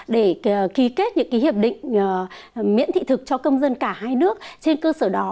để ký kết những hiệp định miễn thị thực cho công dân cả hai nước trên cơ sở đó